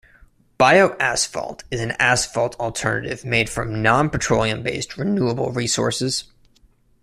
Bioasphalt is an asphalt alternative made from non-petroleum based renewable resources.